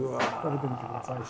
食べてみて下さい。